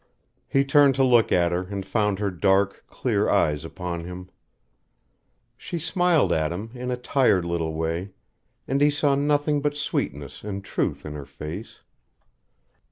He turned to look at her and found her dark, clear eyes upon him. She smiled at him in a tired little way, and he saw nothing but sweetness and truth in her face.